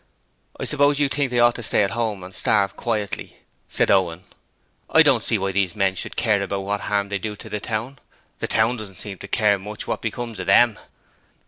'I suppose you think they ought to stay at home and starve quietly,' said Owen. 'I don't see why these men should care what harm they do to the town; the town doesn't seem to care much what becomes of THEM.'